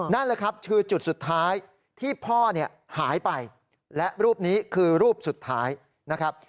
นั่นแหละครับคือจุดสุดท้ายที่พ่อเนี่ยหายไปและรูปนี้คือรูปสุดท้ายนะครับ